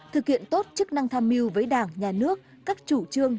thực hiện tốt chức năng tham mưu với đảng nhà nước các chủ trương